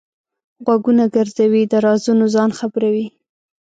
غوږونه ګرځوي؛ د رازونو ځان خبروي.